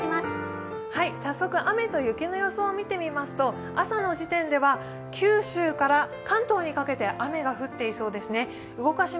早速、雨と雪の予想を見てみますと、朝の時点では九州から関東にかけて雨が降っていそうですね。